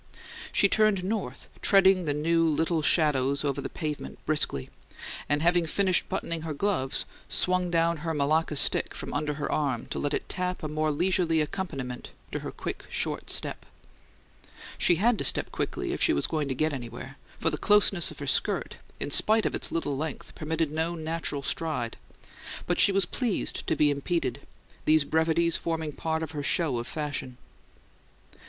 She turned north, treading the new little shadows on the pavement briskly, and, having finished buttoning her gloves, swung down her Malacca stick from under her arm to let it tap a more leisurely accompaniment to her quick, short step. She had to step quickly if she was to get anywhere; for the closeness of her skirt, in spite of its little length, permitted no natural stride; but she was pleased to be impeded, these brevities forming part of her show of fashion.